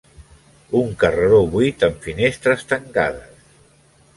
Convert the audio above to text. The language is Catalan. Un carreró buit amb finestres tancades.